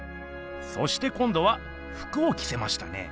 そして今どはふくをきせましたね。